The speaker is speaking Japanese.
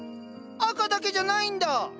赤だけじゃないんだ！